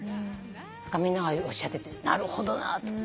だからみんながおっしゃっててなるほどなと。